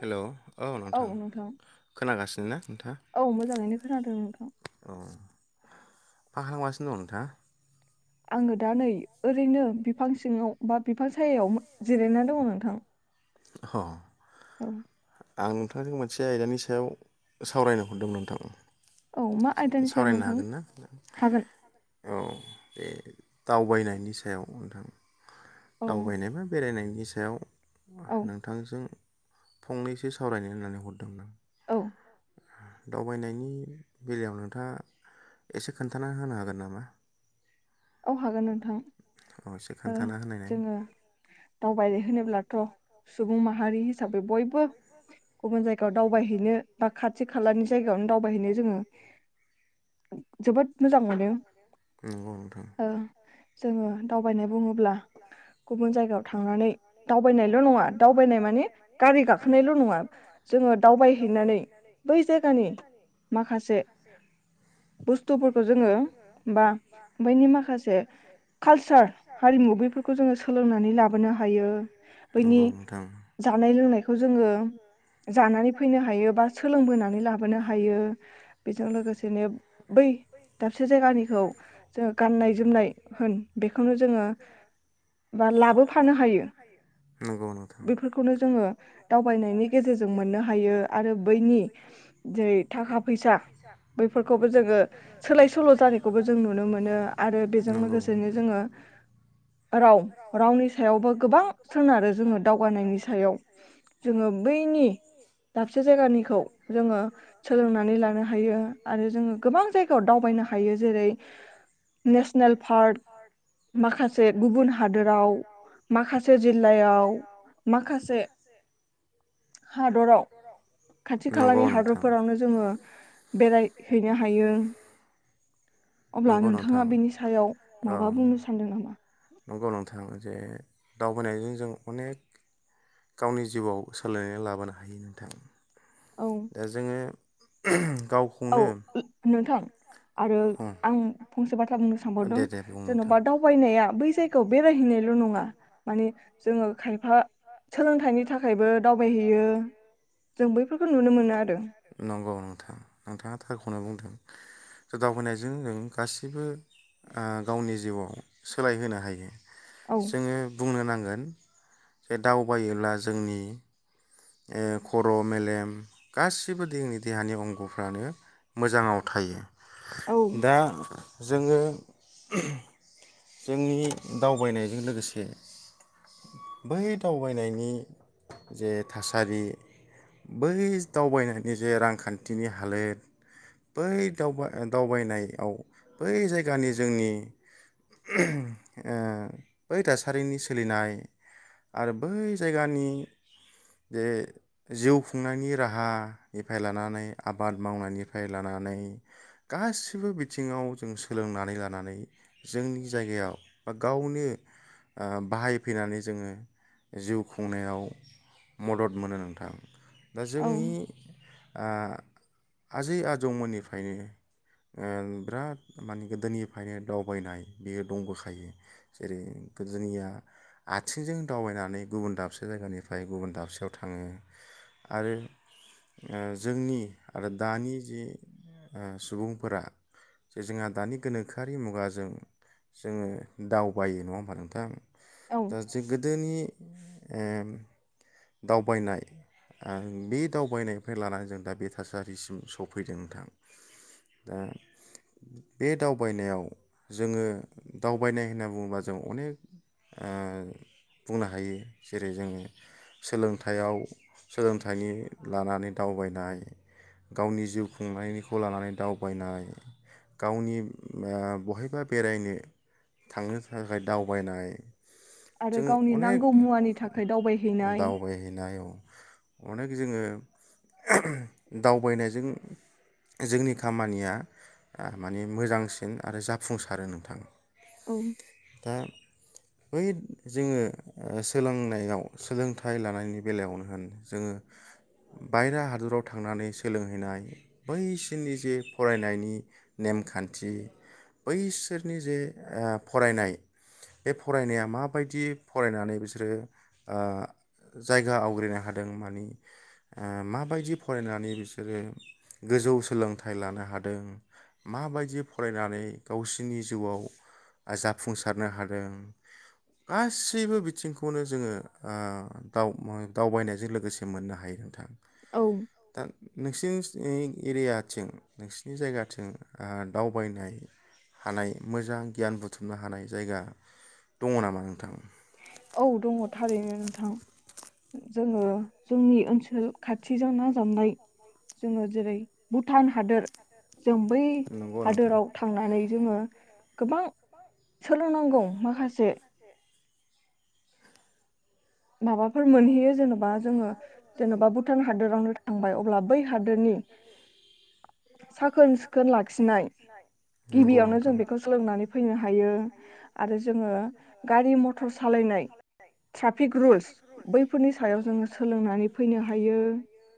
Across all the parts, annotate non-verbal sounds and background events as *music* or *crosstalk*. Hello औ नोंथां खोनागासि नो ना औ मोजाङैनो खोनादों नोंथां मा खालामगासिनो दं नोंथां आङो दा नै ओरैनो बिफां सिङाव बा बिफां सायायाव जिरायनानै दङ नोंथां। ह औ आं नोंथांजों मोनसे आयदानि सायाव सावरायनो हरदोंमोन नोंथां औ मा आयदानि सायाव नोंथां हागोन औ बे दावबायनायनि सायाव नोंथां दावबायनाय बा बेरायनायनि सायाव नोंथांजों फंनैसो सावरायनो होननानै हरदोंमोन आं औ दावबायनायनि बेलायाव नोंथाङा एसे खोन्थानानानै होनो हागोन नामा औ हागोन नोंथां। अ एसे खोन्थाना होनायनाय दावबायनाय होनोब्लाथ' सुबुं माहारि हिसाबै बयबो गुबुन जायगा जायगायाव दावबायहैनो बा खाथि खालानि जायगायावनो दावबायहैनो जोङो जोबोद मोजां मोनो ओ जोङो दावबायनाय बुङोब्ला गुबुन जायगायाव थांनानै दावबायनायल' नङा दावबायनाय मानि गारि गाखोनायल' नङा जोङो जोङो दावबायहैनानै बै जायगानि माखासे बुस्थुफोरखौ जोङो बा बैनि माखासे कालसार हारिमु बफोरखौ जोङो सोलोंनानै लाबोनो हायो बैनि जानाय लोंनायखौ जोङो फैनो हायो बा सोलोंबोनानै लाबोनो हायो बेजों लोगोसेनो बै दाबसे जायगानिखौ गाननाय जोमनाय होन बेखौनो जोङो बा लाबोफानो हायो बेफोरखौनो जोङो दावबायनायनि गेजेरजों मोन हायो आरो बैनि जेरै थाखा फैसा बैफोरखौबो जोङो सोलाय सोल' जानायखौबो जों नुनो मोनो। आरो बेजों लोगोसेनो जोङो राव रावनि सायावबो गोबां सोनारो जोङो दावगानायनि सायाव जोङो बैनि दाबसे जायगानिखौ जोङो सोलोंनानै लानो हायो आरो जोङो गोबां जायगायाव दावबायनो हायो जेरै नेसनेल पार्क माखासे हादोराव माखासे जिल्लायाव माखासे हादराव खाथि खालानि हादरफोरावनो जोङो बेरायहैनो हायो। अब्लाा नों थाङा बेनि सायाव माबा बुंनो सानदों नामा? नंगौ नोंथां जे दावबायनायजों जों अनेक गावनि जिउआव सोलायनानै लाबोनो हायो नोंथां दा जोङो गावखौनो आरो आं फंसे बाथ्रा बुंनो सानबावदों जेन'बा दावबायनाया बै जेखौ बेरायहैनायल' नङा माने जोङो खायफा सोलोंथाइनि थाखायबो दावबायहैयो जों बैफोरखौ नुनो मोनो आरो नंगौ नोंथां नोंथाङा थारखौनो बुंदों जो दावबायनायजों जों गासिबो ओ गावनि जिउआव सोलायहोनो हायो। जोङो बुंनो नांगोन जे दावबायोब्ला जोंनि उह खर' मेलेम गासिबो जोंनि देहानि अंगफ्रानो मोजाङाव थायो। दा जोङो *unintelligible* जोंनि दावबायनायजों लोगोसे बै दावबायनायनि जे थासारि बै दावबायनायनि जे रांखान्थिनि हालोद बै दावबा-दावबायनाय आव बै जायगानि जोंनि *unintelligible* उह बै थासारिनि सो लिनाय आरो बै जायगानि जे जिउ खुंनायनि राहा निफ्राय लानानै आबाद मावनायनिफ्राय लानानै गासिबो बिथिङाव जों सोलोंनानै लानानै जोंनि जायगायाव बा गावनो उह बाहायफैनानै जोङो जिउ खुंनायाव मदद मोनो नोंथां। दा जोंनि आ आजै आजौमोननिफ्रायनो उह बिराद माने गोदोनिफ्रायनो दावबायनाय बियो दंबोखायो जेरै गोदोनिया आथिंजों दावबायनानै गुबुन दाबसे जायगानिफ्राय गुबुन दाबसेयाव थाङो आरो ओ जोंनि आरो दानि जि उह सुबुंफोरा जे जोंहा दानि गोनोखोआरि मुगाजों जोङो दावबायो नङा होमबा नोंथां? दा जे गोदोनि उम दावबायनाय आं बे दावबायनाय फ्राय लानानै जों दा बे थासारिसि सफैदों नोंथां दा बे दावबायनायाव जोङो दावबायनाय होनना बुङोब्ला जों अनेक उह बुंनो हायो जेरै जोङो सोलोंथाइआव सोलोंथाइनि लानानै दावबायनाय गावनि जिउ खुंनायनिखौ लानानै दावबायनाय गावनि बहायबा बेरायनो थांनो थाखाय दावबायनाय। आरो गावनि नांगौ मुवानि थाखाय दावबायहैनाय अनेख जोङो दावबायनायजों जोंनि खामानिया उह माने मोजांसिन आरो जाफुंसारो नोंथां। औ दा बै जोङो उम सोलोंनायाव सोलोंथाइ लानायनि बेलायावनो होन जोङो बायेरा हादराव थांनानै सोलोंहैनाय बै सिनि जे फरायनायनि नेमखान्थि बैसोरनि जे उह फरायनाय बे फ फरायनाया माबायदि फरायनानै बिसोरो ओ जायगा आवग्रिनो हादों मानि ओ माबायदि फरायनानै बिसोरो गोजौ सोलोंथाइ लानो हादों माबायदि फरायनानै गावसिनि जिउआव जाफुंसारनो हादों। गासैबो बिथिंखौनो जोङो उह दाव-दावबायनायजों लोगोसे मोननो हायो नोंथां। औ नोंसिनि स्थिङि एरियाथिं नोंसिनि जायगाथिं उह दावबायनाय हानाय मोजां गियान बुथुमनो हानाय जायगा दङ नामा नोंथां? औ दङ थारैनो नोंथां जोङो जोंनि ओनसोल खाथिजों नांजाबनाय जोङो जेरै भुटान हादोर जों बै हादोराव थांनानै जोङो गोबां सोलोंनांगौ माखासे माबाफोर मोनहैयो जेनेबा जोङो जेनेबा भुटान हादोरावनो थांबाय अब्ला बै हादोरनि साखोन सिखोन लाखिनाय गिबियावनो जों बेखौ सोलोंनानै फैनो हायो आरो जोङो गारि मथर सालायनाय थ्राब फिक रुलस रुल्स बैफोरनि सायाव जोङो सोलोंनानै फैनो हायो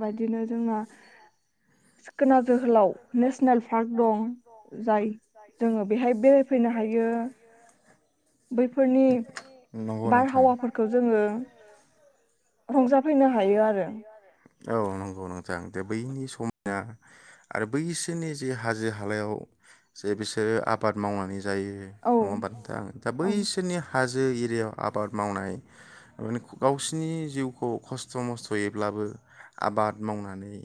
आरो बेबायदिनो जोंहा सिखोना जोहोलाव नेसनेल पार्क दं जाय जोङो बेहाय बेरायफैनो हायो बैफोरनि नंगौ नोंथां। जोङो रंजाफैनो हायो आरो। औ नंगौ नोंथां दे बैनि समायना आरो बैसोरनि जे हाजो हालायाव जे बिसोरो आबाद मावनानै जायो। नङा होमबा नोंथां? दा बैसोरनि हाजो जो एरियाव आबाद मावनाय माने गावसिनि जिउखौ खस्थ मस्थयैब्लाबो आबाद मावनानै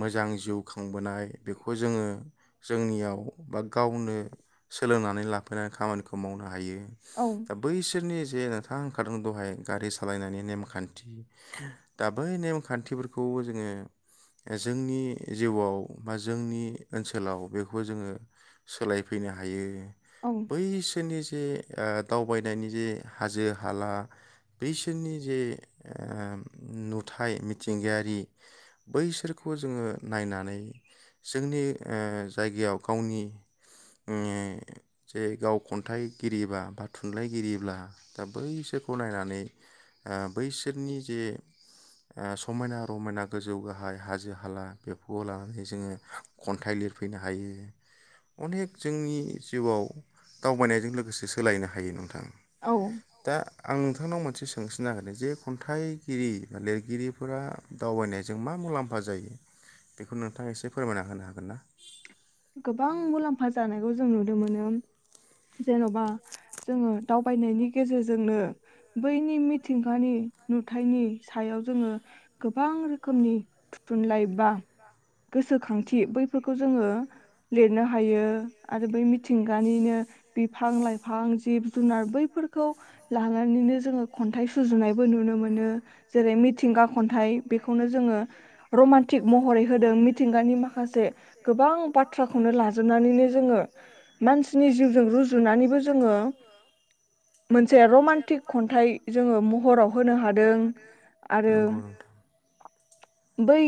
मोजां जिउ खांबोनाय बेखौ जोङो जोंनियाव बा गावनो सोलोंनानै लाफैनानै खामानिखौ मावनो हायो। दा बैसोरनि जे नोंथांख दादों दहाय गारि सालायनानि नेमखान्थि दा बै नेमखान्थिफोरखौबो जोङो ओ जोंनि जिउआव बा जोंनि ओनसोलाव बेखौ जोङो सोलायफैनो हायो। बैसोरनि इ ओह दावबायनायनि जे हाजो हाला बैसोरनि जे ओह नुथाय मिथिंगायारि बैसोरखौ जोङो नायनानै जोंनि ओह जायगायाव गावनि ओ जे गाव खन्थाइगिरि बा बा थुनलाइगिरिब्ला दा बैसोरखौ नायनानै ओ बैसोरनि जे ओ समायना रमायना गोजौ गाहाय हाजो हाला बेफोरखौ लानानै जोङो खन्थाइ लिरफैनो हायो। अनेख जोंनि जिउआव दावबायनायजों लोगोसे सोलायनो हायो नोंथां। औ। दा आं नोंथांनाव मोनसे सोंनोसो नागिरदों जे खन्थाइगिरि बा लिरगिरिफोरा दावबायनायजों मा मुलाम्फा जायो बेखौ नोंथाङा एसे फोरमायना होनो हागोन ना? गोबां मुलाम्फा जानायखौ जों नुनो मोनो। जेनबा जोङो दावबायनायनि गेजेरजोंनो बैनि मिथिंगानि नुथायनि सायाव जोङो गोबां रोखोमनि थु-थुनलाइ बा गोसोखांथि बैफोरखौ जोङो लिरनो हायो आरो बै मिथिंगानिनो बिफां लाइफां जिब जुनार बैफोरखौ लानानैनो जोङो खन्थाइ सु सुजुनायबो नुनो मोनो। जेरै मिथिंगा खन्थाइ बेखौनो जोङो रमान्टिक महरै होदों मिथिंगानि माखासे गोबां बाथ बाथ्राखौनो लाजोबनानैनो जोङो मानसिनि जिउजों रुजुनानैबो जोङो मोनसे रमान्टिक खन्थाइ जोङो म हराव होनो हादों आरो बै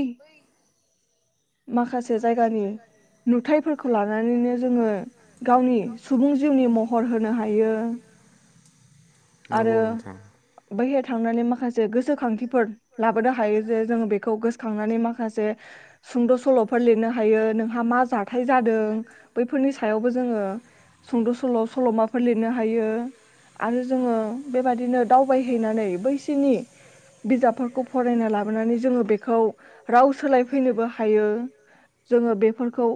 माखासे जायगानि नुथायफोरखौ लानानैनो जोङो गावनि सुबुं जिउनि महर होनो हायो। आरो बैहोर थांनानै माखासे जे गोसोखांथिफोर लाबोनो हायो जे जोङो बेखौ गोसोखांनानै माखासे सुंद' सल'फोर लिरनो हायो नोंहा मा जाथाय जादों बैफोरनि सायावबो जोङो सुंद' सल' सल'माफोर लिरनो हायो आरो जो ओह बेबायाददिनो दावबायहैनानै बैसोनि बिजाबफोरखौ फरायना लाबोनानै जोङो बेख खौ राव सोलाय फैनोबो हायो। जोङो बेफोरखौ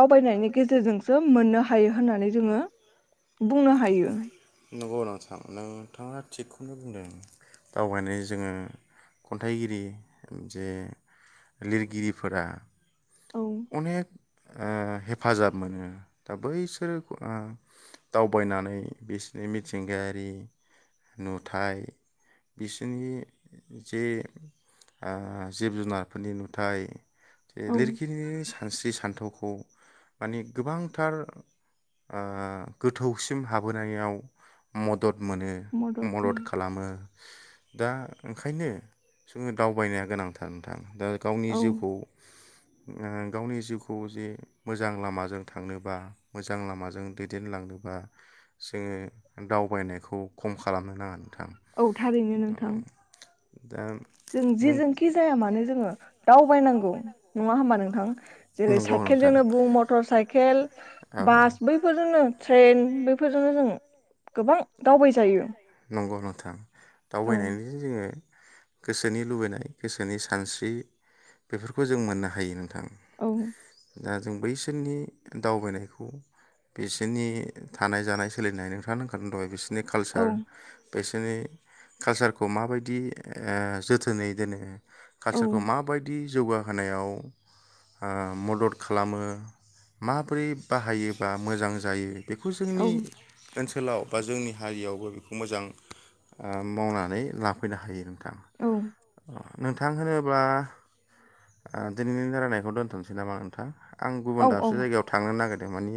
दावबायनायनि गेजेरजोंसो मोननो हायो होननानै जोङो बुंनो हायो। थां नोंथाङा थिगखौनो बुंदों। दावबायनाय जोङो खन्थाइगिरि जे लिरगिरिफोरा अनेख ओह हेफाजाब मोनो दा बैसोरो ओह दावबायनानै बिसो मिथिंगायारि नुथाय बिसोरनि जे ओह जिब जुनारफोरनि नुथाय जे लिरगिरिनि सानस्रि सान्थौख खौ माने गोबांथार ओह गोथौसिम हाबोनायाव मद दद मोनो मदद खालामो दा ओंखायनो जोङो दावबायनाया गोनांथा थार नोंथां। दा गावनि जिउखौ ओ गावनि जिउखौ जे मोजां लामाजों थांनोबा मोजां लामाजों दैदेनलांनोबा जोङो दावबायनायखौ खम खालामनो नाङा नों औ थारैनो नोंथां। जों जिजोंखि जाया। माने जोङो दावबायनांगौ नङा हबा नोंथां जेरै साइकेलजोंनो बुं मटर साइकेल बास बैफोरजोंनो ट्रेन बैफोरजोंनो जों। नंगौ नंथां दावबायनानैजों जोङो। गोसोनि लुबैनाय गोसोनि सानस्रि बेफोरखौ जों मोननो हायो नोंथां। औ। दा जों बैसोरनि दावबायनायखौ बिसोरनि थानाय जानाय सोलिनाय नोंथां। *unintelligible* नि कालचार बे। बिसोरनि कालसारखौ माबायदि ओ जोथोनै दोनो। कालचारखौ माबायदि जौगाहोनायाव ओ मदद खालामो माबोरै बाहायोबा मोजां जायो? बेखौ जोंनि ओनसोलाव बा जोंनि हारियावबो बेखौ मोजां ओ मावनानै लांफैनो हायो। थां अ नोंथां होनो हुवा ओ दिनैनि रालायनायखौ दोनथ'नोसै नामा नोंथां? आं गुबुन दाबसे जायगायाव थांनो नागिरदों मानि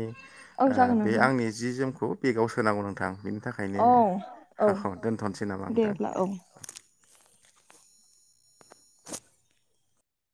ओ बे आंनि जि जोमखौ बेगाव सोनांगौ। थां बेन बेनि थाखायनो हाख दोनथ'नोसै नामा नोंथां?